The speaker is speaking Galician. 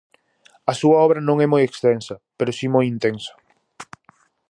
A súa obra non é moi extensa, pero si moi intensa.